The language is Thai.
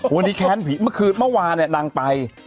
วันนี้แค้นผีเมื่อคืนเมื่อวานเนี่ยนางไป